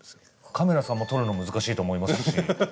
カメラさんも撮るの難しいと思いますし。